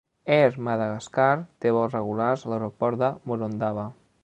Air Madagascar té vols regulars a l'aeroport de Morondava.